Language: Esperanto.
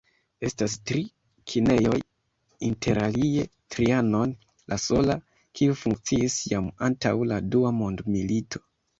Estas tri kinejoj, interalie "Trianon", la sola kiu funkciis jam antaŭ la Dua Mondmilito.